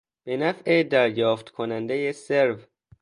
به نفع دریافت کنندهی سرو